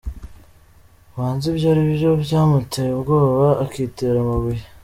Ubanza ibyo ari byo byamuteye ubwoba, akitera amabuye".